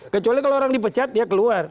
kecuali kalau orang dipecat dia keluar